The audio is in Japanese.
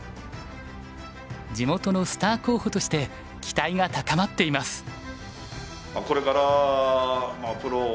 地元のスター候補として期待が高まっています。